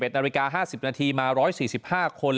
๑๑นรกา๕๐นาทีมา๑๔๕คน